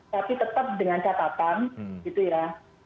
tapi tetap dengan catatan gitu ya